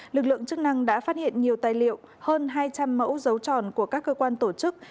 lực lượng chức năng đã phát hiện nhiều tài liệu hơn hai trăm linh mẫu dấu tròn của các cơ quan tổ chức